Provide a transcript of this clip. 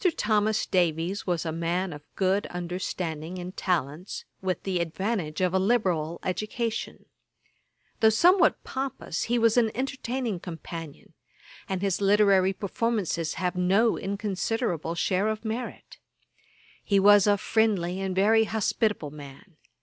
Thomas Davies was a man of good understanding and talents, with the advantage of a liberal education. Though somewhat pompous, he was an entertaining companion; and his literary performances have no inconsiderable share of merit. He was a friendly and very hospitable man.